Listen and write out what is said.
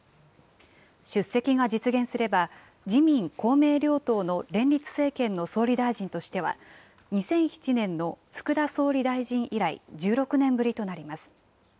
出席が実現すれば、自民、公明両党の連立政権の総理大臣としては、２００７年の福田総理大臣以来１６年ぶりとなります。